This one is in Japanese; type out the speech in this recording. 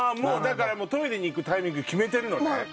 だからトイレに行くタイミング決めてるのね。